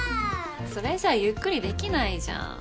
それじゃあゆっくりできないじゃん。